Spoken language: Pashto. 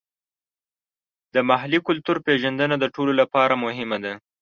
د محلي کلتور پیژندنه د ټولو لپاره مهمه ده.